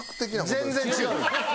全然違う。